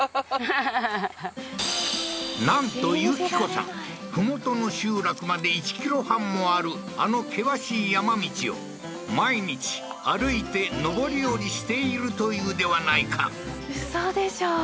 はっなんと順子さん麓の集落まで１ｋｍ半もあるあの険しい山道を毎日歩いて上り下りしているというではないかウソでしょ？